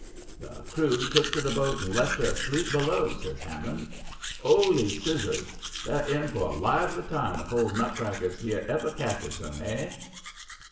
"'The crew took to the boat and left 'er asleep below,' says Hammond. ''Oly scissors: they're in for a lively time if old Nutcrackers 'ere ever catches 'em, 'ey?'